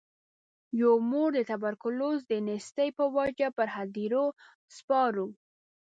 یوه مور د توبرکلوز د نیستۍ په وجه پر هدیرو سپارو.